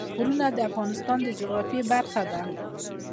غرونه د افغانستان د جغرافیې بېلګه ده.